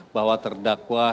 bahwa terdakwa hendra kurniawan